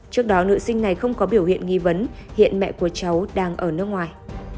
trước đó nữ sinh này không có biểu hiện nghi vấn hiện mẹ của cháu đang ở nước ngoài